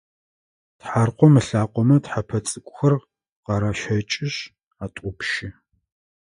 Тхьаркъом ылъакъомэ тхьэпэ цӏыкӏухэр къаращэкӏышъ атӏупщы.